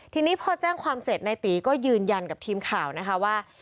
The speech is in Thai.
ทีนี้พอแจ้งความเสร็จนายตีก็ยืนยันกับทีมข่าวนะคะว่า